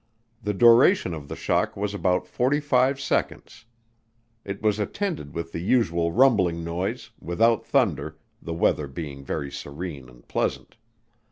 The duration of the shock was about 45 seconds. It was attended with the usual rumbling noise, without thunder, the weather being very serene and pleasant.